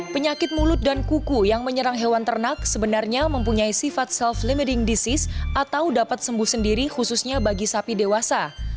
penyakit mulut dan kuku yang menyerang hewan ternak sebenarnya mempunyai sifat self limiting disease atau dapat sembuh sendiri khususnya bagi sapi dewasa